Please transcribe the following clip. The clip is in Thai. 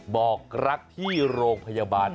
บอกรักที่โรงพยาบาล